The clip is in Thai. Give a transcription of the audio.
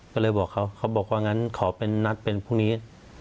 ก็เลยบอกเขาเขาบอกว่างั้นขอเป็นนัดเป็นพรุ่งนี้